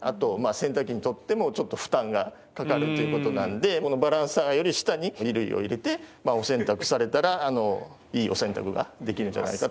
あと洗濯機にとってもちょっと負担がかかるということなんでバランサーより下に衣類を入れてお洗濯されたらいいお洗濯ができるんじゃないかと思います。